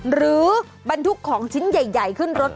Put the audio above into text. บรรทุกของชิ้นใหญ่ขึ้นรถ